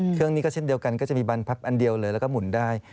เครื่องนี้ก็เช่นเดียวกันก็จะมีบรรพับอันเดียวเลยแล้วก็หมุนได้